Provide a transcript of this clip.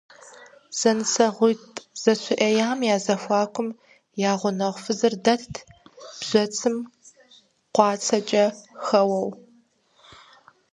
ЗэнысэгъуитӀ зэщыӀеям я зэхуакум я гъунэгъу фызыр дэтт, бжьэцым къуацэкӀэ хэуэу.